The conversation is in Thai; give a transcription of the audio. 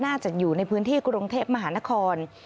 น่าจะอยู่ในพื้นที่กุศัพท์มหานคร